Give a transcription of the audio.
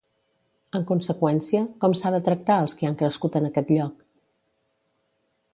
En conseqüència, com s'ha de tractar els qui han crescut en aquest lloc?